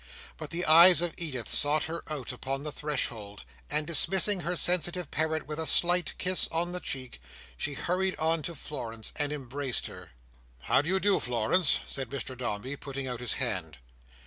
But the eyes of Edith sought her out, upon the threshold; and dismissing her sensitive parent with a slight kiss on the cheek, she hurried on to Florence and embraced her. "How do you do, Florence?" said Mr Dombey, putting out his hand.